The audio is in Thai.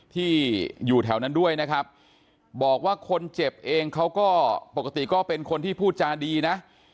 ที่อยู่แถวนั้นด้วยนะครับบอกว่าคนเจ็บเองเขาก็ปกติก็เป็นคนที่พูดจาดีนะ